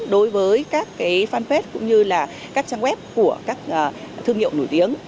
đối với các cái fanpage cũng như là các trang web của các thương hiệu nổi tiếng